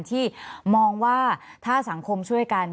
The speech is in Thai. ที่มองว่าถ้าสังคมช่วยกัน